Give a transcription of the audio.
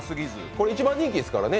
これ、一番人気ですからね